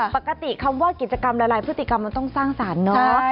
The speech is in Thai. ปกติคำว่ากิจกรรมหลายพฤติกรรมมันต้องสร้างสรรค์เนาะ